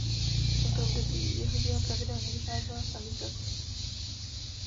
V tomto období jeho díla pravidelně vycházela v samizdatu.